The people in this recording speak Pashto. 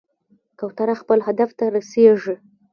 کوتره خپل هدف ته رسېږي.